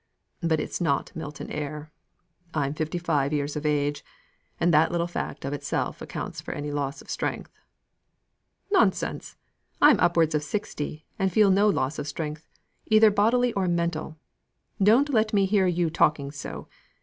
"But it is not Milton air. I'm fifty five years of age, and that little fact of itself accounts for any loss of strength." "Nonsense! I'm upwards of sixty, and feel no loss of strength, either bodily or mental. Don't let me hear you talking so.